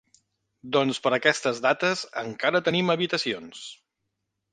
Doncs per a aquestes dates encara tenim habitacions.